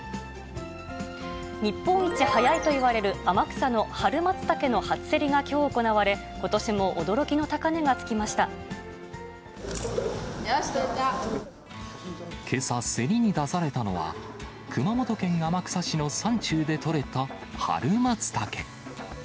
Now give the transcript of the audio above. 日本一早いといわれる天草の春マツタケの初競りがきょう行われ、ことしも驚きの高値がつきまけさ、競りに出されたのは、熊本県天草市の山中で採れた春マツタケ。